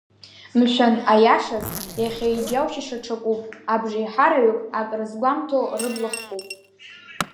Мшәан, аиашаз, иахьа иџьаушьаша ҽакуп, абжеиҳараҩык, ак рызгәамҭо рыбла хкуп…